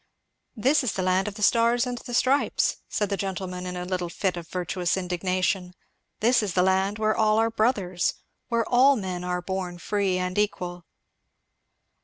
"This is the land of the stars and the stripes!" said the gentleman in a little fit of virtuous indignation; "This is the land where all are brothers! where 'All men are born free and equal.'"